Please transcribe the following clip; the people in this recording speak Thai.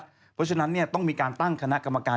เพราะฉะนั้นต้องมีการตั้งคณะกรรมการ